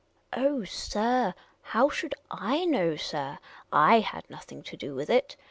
" Oh, sir, how should /know, sir? / had nothing to do with it.